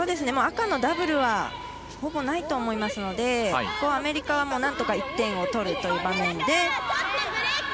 赤のダブルはほぼないと思いますのでここ、アメリカはなんとか１点を取るという場面で。